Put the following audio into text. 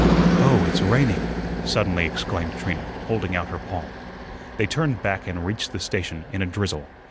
"Oh, it's raining," suddenly exclaimed Trina, holding out her palm. They turned back and reached the station in a drizzle.